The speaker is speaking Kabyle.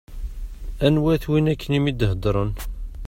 Anwa-t win akken i m-d-iheddṛen?